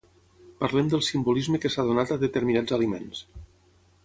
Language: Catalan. parlem del simbolisme que s'ha donat a determinats aliments